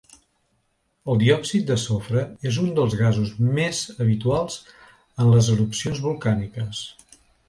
El diòxid de sofre és un dels gasos més habituals en les erupcions volcàniques.